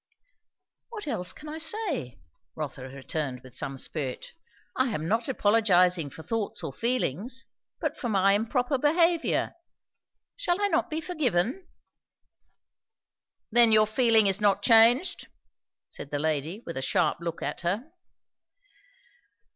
"What else can I say?" Rotha returned with some spirit. "I am not apologizing for thoughts or feelings, but for my improper behaviour. Shall I not be forgiven?" "Then your feeling is not changed?" said the lady with a sharp look at her.